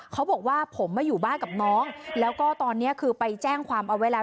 เขาบอกว่าผมมาอยู่บ้านกับน้องแล้วก็ตอนนี้คือไปแจ้งความเอาไว้แล้ว